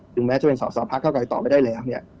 แม้จะเป็นสอสอพักเก้าไกลต่อไม่ได้แล้วเนี่ย